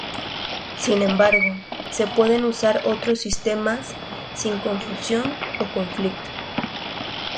Sin embargo, se pueden usar otros sistemas sin confusión o conflicto.